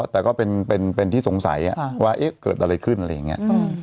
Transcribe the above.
แต่ก็เป็นที่สงสัยว่าเกิดอะไรขึ้นอะไรอย่างนี้